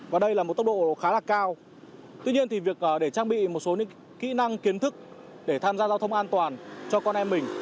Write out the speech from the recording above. và đây là một tốc độ khá là cao tuy nhiên thì việc để trang bị một số những kỹ năng kiến thức để tham gia giao thông an toàn cho con em mình